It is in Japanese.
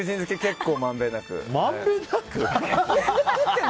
まんべんなく？